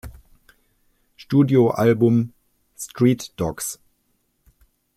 Studioalbum "Street Dogs".